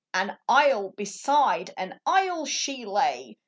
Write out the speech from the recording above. An isle beside an isle she lay.